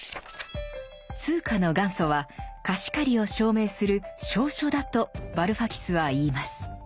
通貨の元祖は貸し借りを証明する「証書」だとバルファキスは言います。